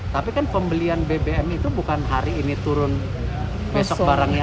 tapi kan pembelian bbm itu bukan hari ini turun besok barangnya